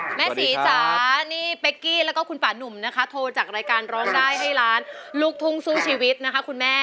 คุณแม่สีจ๋านี่เฟคกี้แล้วขุฟ้านุ่มนะคะโทรจากรายการร้องได้ให้ร้านลวกทุ่งสู้ชีวิตคุณแม่